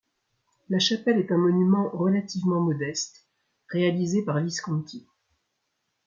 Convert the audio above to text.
La chapelle est un monument, relativement modeste, réalisé par Visconti.